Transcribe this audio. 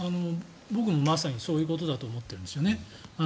僕もまさにそういことだと思っているんですね。